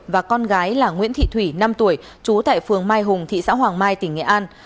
và con gái là nguyễn thị thủy năm tuổi trú tại phường mai hùng thị xã hoàng mai tỉnh nghệ an